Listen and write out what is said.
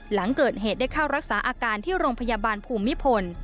หลังเกิดเหตุได้เข้ารักษาอาการที่โรงพยาบาลภูมิพล